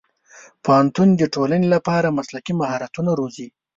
پوهنتون د ټولنې لپاره مسلکي مهارتونه روزي.